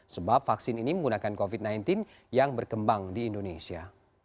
sebab vaksin ini menggunakan covid sembilan belas yang berkembang di indonesia